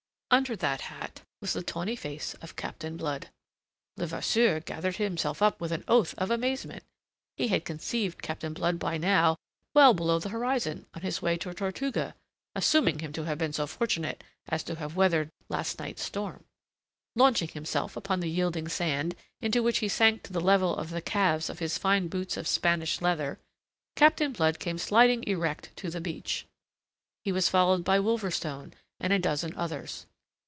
Under that hat was the tawny face of Captain Blood. Levasseur gathered himself up with an oath of amazement. He had conceived Captain Blood by now well below the horizon, on his way to Tortuga, assuming him to have been so fortunate as to have weathered last night's storm. Launching himself upon the yielding sand, into which he sank to the level of the calves of his fine boots of Spanish leather, Captain Blood came sliding erect to the beach. He was followed by Wolverstone, and a dozen others.